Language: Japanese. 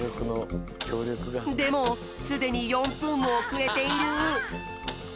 でもすでに４ぷんもおくれている。